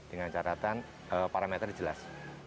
dengan catatan parameter jelas